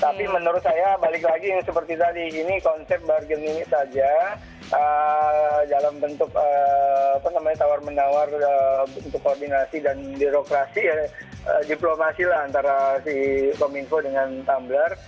tapi menurut saya balik lagi seperti tadi ini konsep bargain ini saja dalam bentuk tawar menawar untuk koordinasi dan birokrasi ya diplomasi lah antara si kominfo dengan tumbler